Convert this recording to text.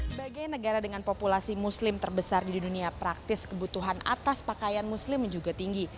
sebagai negara dengan populasi muslim terbesar di dunia praktis kebutuhan atas pakaian muslim juga tinggi